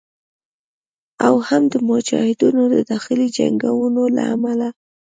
او هم د مجاهدینو د داخلي جنګونو له امله